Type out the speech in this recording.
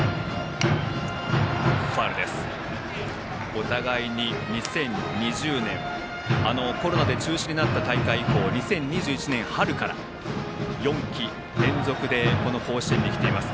お互い、２０２０年コロナで中止になった大会以降２０２１年春から４季連続でこの甲子園にきています。